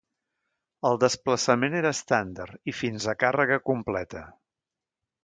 El desplaçament era estàndard i fins a càrrega completa.